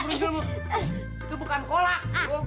itu bukan kolak